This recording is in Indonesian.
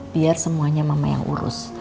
biar semuanya mama yang urus